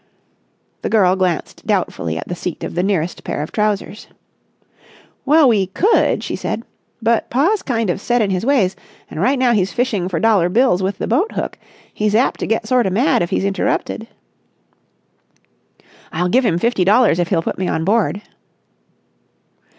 The girl glanced doubtfully at the seat of the nearest pair of trousers. "Well, we could," she said. "But pa's kind of set in his ways, and right now he's fishing for dollar bills with the boat hook. He's apt to get sorta mad if he's interrupted." "I'll give him fifty dollars if he'll put me on board."